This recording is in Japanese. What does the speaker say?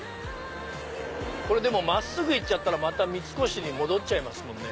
これ真っすぐ行っちゃったらまた三越に戻っちゃいますね。